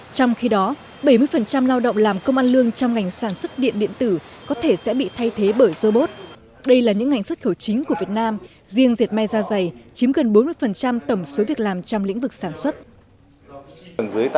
trong khi đó bảy mươi lao động làm công an lương trong ngành sản xuất điện điện tử có thể sẽ bị thay thế bởi robot đây là những ngành xuất khẩu chính của việt nam riêng diệt may ra dày chiếm gần bốn mươi tổng số việc làm trong lĩnh vực sản xuất